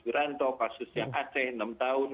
geranto kasus yang ac enam tahun